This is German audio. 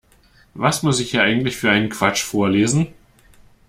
Was muss ich hier eigentlich für einen Quatsch vorlesen?